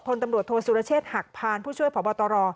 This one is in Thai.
พลตำรวจโทษสุรเชษฐหักพานผู้ช่วยพบตร